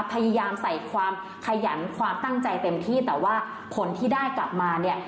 พยายามใส่ความขยันความตั้งใจเต็มที่แต่ว่าผลที่ได้กลับมาเนี่ย